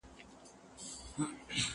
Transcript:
زه مخکي کالي وچولي وو!.